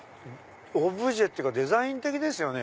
オブジェっていうかデザイン的ですよね。